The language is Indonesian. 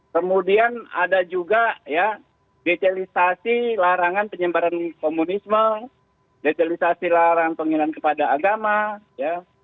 kemudian ada juga ya detalisasi larangan penyebaran komunisme detalisasi larangan penginan kepada agama ya